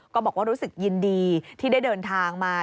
ก็บอกว่ารู้สึกยินดีที่ได้เดินทางมา